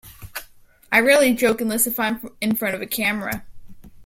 I rarely joke unless I'm in front of a camera.